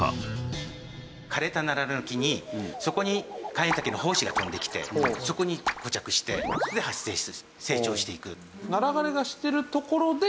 枯れたナラの木にそこにカエンタケの胞子が飛んできてそこに付着してそれで発生して成長していく。